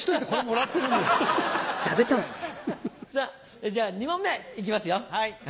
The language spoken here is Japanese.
さぁじゃあ２問目いきますよ。